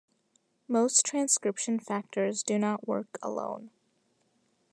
Most transcription factors do not work alone.